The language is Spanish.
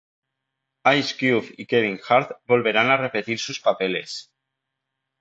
Ice Cube y Kevin Hart volverán a repetir sus papeles.